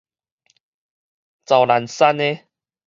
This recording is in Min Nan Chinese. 找零星的